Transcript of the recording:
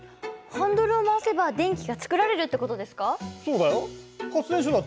ハンドルを回せば電気が作られるってことですか？